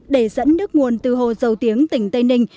để dẫn nước nguồn từ hồ dầu tiếng tỉnh tây ninh